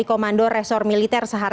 itu kan di level berikutnya